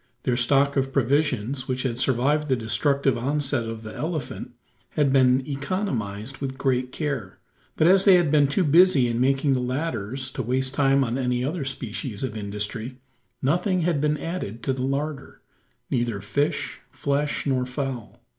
Their stock of provisions, which had survived the destructive onset of the elephant, had been economised with great care. But as they had been too busy in making the ladders to waste time on any other species of industry, nothing had been added to the larder neither fish, flesh, nor fowl.